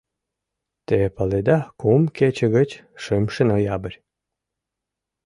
Те паледа, кум кече гыч — шымше ноябрь.